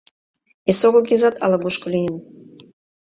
Эсогыл Гезат ала-кушко лийын.